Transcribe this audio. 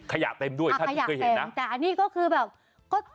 ขยะเต็มด้วยถ้าทุกคนเคยเห็นนะอ่าขยะเต็มแต่อันนี้ก็คือแบบ